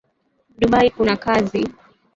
Dubai kuna kazi